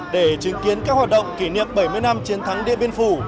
để chứng kiến các hoạt động kỷ niệm bảy mươi năm chiến thắng điện biên phủ